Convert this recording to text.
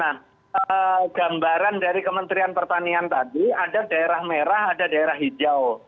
nah gambaran dari kementerian pertanian tadi ada daerah merah ada daerah hijau